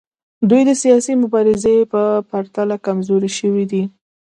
دوی د سیاسي مبارزې په پرتله کمزورې شوي دي